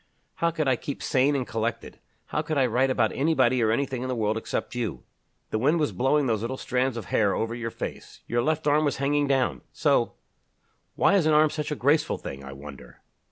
"How could I keep sane and collected! How could I write about anybody or anything in the world except you! The wind was blowing those little strands of hair over your face. Your left arm was hanging down so; why is an arm such a graceful thing, I wonder?